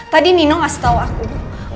tadi nino ngasih tahu aku